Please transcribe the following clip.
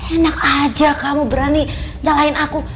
enak aja kamu berani ngalahin aku